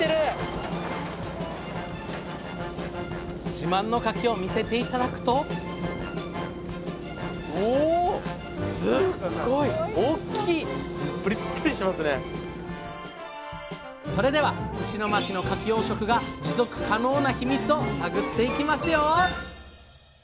自慢のかきを見せて頂くとそれでは石巻のかき養殖が持続可能なヒミツを探っていきますよ！